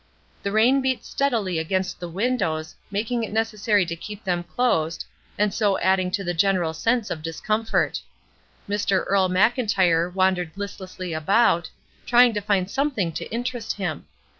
The rain beat steadily against the windows, making it necessary to keep them closed, and so adding to the general sense of discomfort. Mr. Earle Mclntyre wandered hstlessly about, trying to find something to interest him.